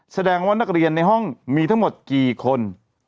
แสดงว่านักเรียนในห้องมีทั้งหมดกี่คน